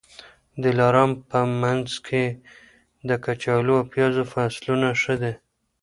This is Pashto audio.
د دلارام په مځکي کي د کچالو او پیازو فصلونه ښه کېږي.